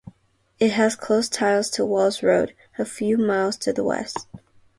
It has close ties to Walsrode, a few miles to the west.